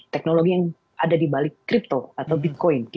teknologi yang ada di balik crypto atau bitcoin